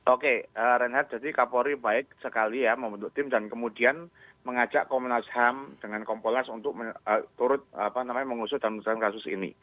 oke renhat jadi kapolri baik sekali ya membentuk tim dan kemudian mengajak komnas ham dengan kompolnas untuk turut mengusut dan mengusulkan kasus ini